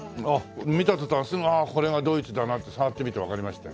見た途端すぐああこれがドイツだなって触ってみてわかりましたよ。